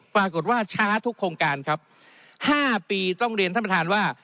ปรากฏว่าช้าทุกโครงการครับ๕ปีต้องเรียนท่านประธานว่า